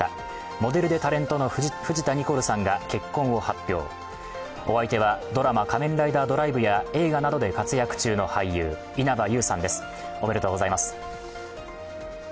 モデルでタレントの藤田ニコルさんが結婚を発表、お相手は「仮面ライダードライブ」や映画などで活躍中の稲葉友さんですおめでとうございます。